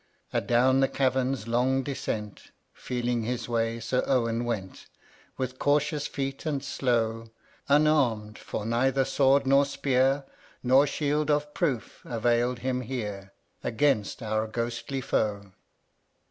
9. Adown the Cavern's long descent, Feeling his way. Sir Owen went, With cautious feet and slow ; Unarm'd, for neither sword nor spear. Nor shield of proof, avail'd him here Against our ghostly Foe.